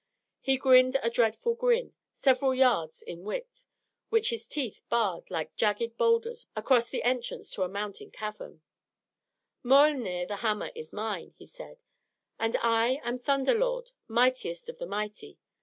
He grinned a dreadful grin, several yards in width, which his teeth barred like jagged boulders across the entrance to a mountain cavern, "Miölnir the hammer is mine," he said, "and I am Thunder Lord, mightiest of the mighty.